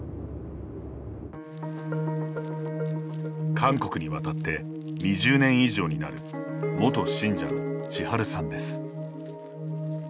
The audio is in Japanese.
韓国に渡って２０年以上になる元信者の、ちはるさんです。